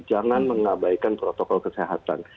jangan mengabaikan protokol kesehatan